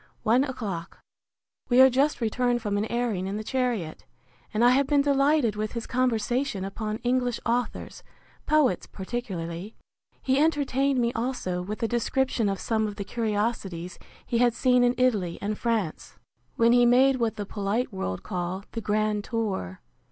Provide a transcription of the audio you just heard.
One o'clock. We are just returned from an airing in the chariot; and I have been delighted with his conversation upon English authors, poets particularly. He entertained me also with a description of some of the curiosities he had seen in Italy and France, when he made what the polite world call the grand tour.